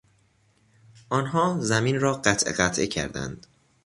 آنها زمین را قطعه قطعه کردند.